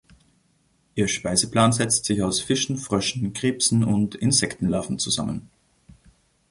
Ihr Speiseplan setzt sich aus Fischen, Fröschen, Krebsen und Insektenlarven zusammen.